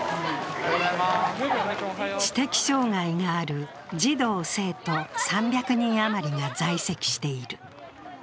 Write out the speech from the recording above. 知的障害がある児童・生徒３００人余りが在籍している。